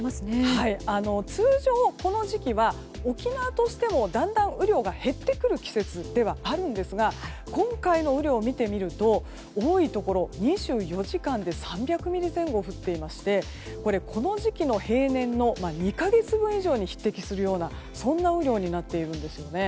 通常、この時期は沖縄としてもだんだん雨量が減ってくる季節ではあるんですが今回の雨量を見てみると多いところ、２４時間で３００ミリ前後降っていましてこれ、この時期の平年の２か月分以上に匹敵するような雨量になっているんですよね。